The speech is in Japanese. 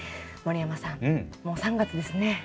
森山さんもう３月ですね。